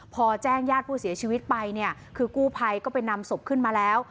พอแจ้งญาติผู้เสียชีวิตไปเนี่ยคือกู้ภัยก็ไปนำศพขึ้นมาแล้ว